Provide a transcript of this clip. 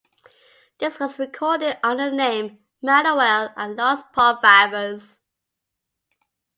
This was recorded under the name "Manuel and Los Por Favors".